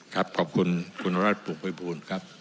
ครับขอบคุณคุณรัฐปุงประปุ่นครับ